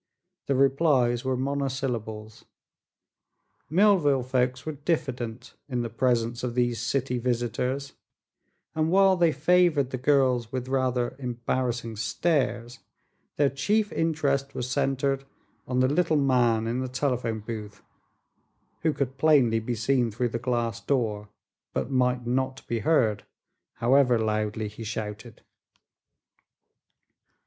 The replies were monosyllables. Millville folks were diffident in the presence of these city visitors and while they favored the girls with rather embarrassing stares, their chief interest was centered on the little man in the telephone booth, who could plainly be seen through the glass door but might not be heard, however loudly he shouted.